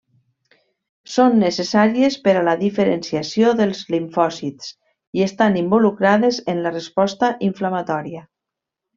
Són necessàries per a la diferenciació dels limfòcits i estan involucrades en la resposta inflamatòria.